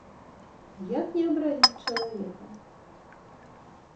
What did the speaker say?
Як не абразіць чалавека?